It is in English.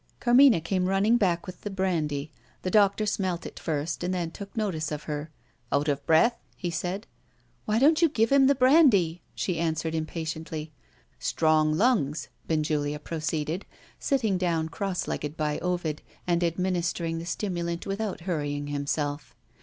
Carmina came running back with the brandy. The doctor smelt it first, and then took notice of her. "Out of breath?" he said. "Why don't you give him the brandy?" she answered impatiently. "Strong lungs," Benjulia proceeded, sitting down cross legged by Ovid, and administering the stimulant without hurrying himself.